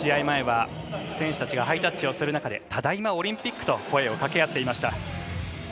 前は選手たちがハイタッチをする中でただいま、オリンピックと声をかけ合っていました。